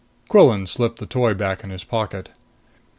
Quillan slipped the toy back in his pocket.